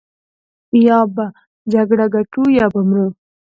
يا به جګړه ګټو يا به مرو.